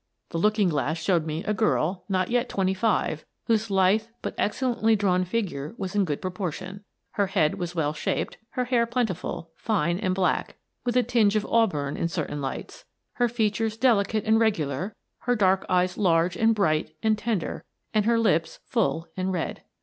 The looking glass showed me a girl, not yet twenty five, whose lithe, but excellently drawn, figure was in good proportion. Her head was well shaped, her hair plentiful, fine, and black, with a tinge of auburn in certain lights, her features delicate and regular, her dark eyes large and bright and tender, and her lips full and red.